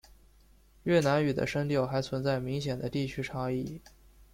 越南语的声调还存在明显的地区差异。